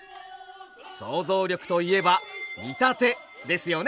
想像力といえば「見立て」ですよね